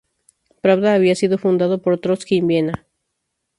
Pravda había sido fundado por Trotsky en Viena.